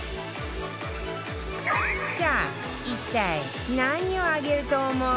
さあ一体何を揚げると思う？